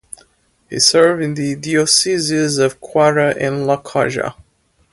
He served in the Dioceses of Kwara and Lokoja.